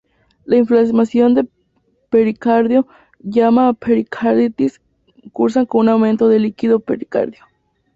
La inflamación del pericardio, llamada pericarditis, cursan con un aumento del líquido pericardio.